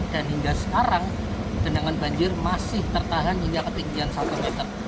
dan hingga sekarang genangan banjir masih tertahan hingga ketinggian satu meter